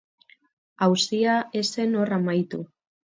Auzia ez zen hor amaitu.